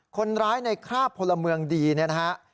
คนร้ายในคราบพลเมืองดีเนี่ยนะฮะ